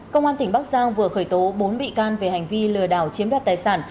công an tỉnh bắc giang vừa khởi tố bốn bị can về hành vi lừa đảo chiếm đoạt tài sản